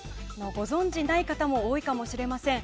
ご存じない方も多いかもしれません。